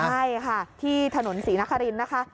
ใช่ค่ะที่ถนนศรีนครินนะคะ